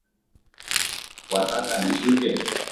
Wataka nishuke?